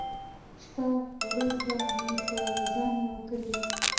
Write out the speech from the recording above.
شپه ورځ به مې په ځان يوه کړې وه .